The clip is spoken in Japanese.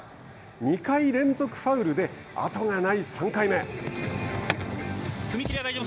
２回連続ファウルで後がない３回目。